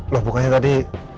loh bukannya tadi